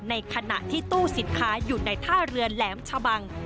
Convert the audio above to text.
ในขณะที่ตู้สินค้าอยู่ในท่าเรือแหลมชะบัง